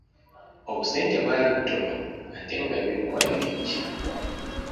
Obusente bwali butono ate nga eby'okukola bingi!